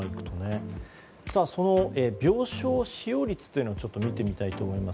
その病床使用率を見てみたいと思います。